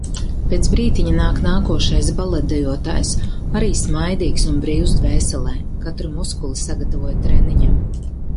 Pēc brītiņa nāk nākošais baletdejotājs, arī smaidīgs un brīvs dvēselē. Katru muskuli sagatavoja treniņam.